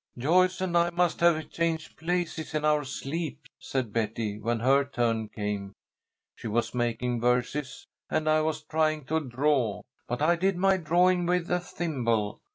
"Joyce and I must have changed places in our sleep," said Betty, when her turn came. "She was making verses, and I was trying to draw. But I did my drawing with a thimble.